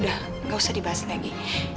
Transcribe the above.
udah gak usah dibahas lagi